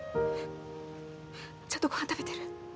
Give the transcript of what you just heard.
ちゃんとご飯食べてる？